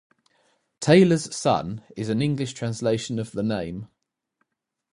"Tailor's Son" is an English translation of the name.